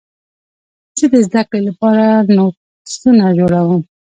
زه د زدهکړې لپاره نوټسونه جوړوم.